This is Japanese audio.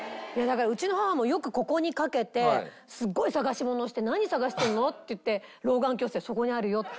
うちの母もよくここにかけてすごい探し物をして「何探してるの？」って言って「老眼鏡」っつって。